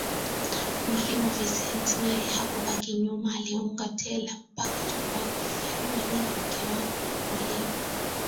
Mwalimu Vincent naye hakubaki nyuma aliunga tela mpaka chumbani Unajua nini mke wangu Mwalimu